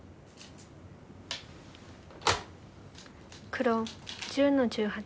黒１０の十八。